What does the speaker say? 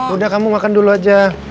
udah kamu makan dulu aja